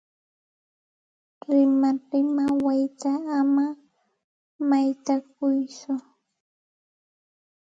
Rimarima wayta ama waytakuytsu.